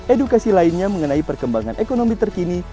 edukasi lainnya mengenai perkembangan ekonomi terkini